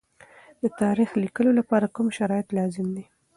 د تاریخ لیکلو لپاره کوم شرایط لازم دي؟